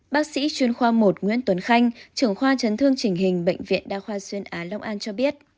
bác sĩ chuyên khoa một nguyễn tuấn khanh trưởng khoa chấn thương chỉnh hình bệnh viện đa khoa xuyên á long an cho biết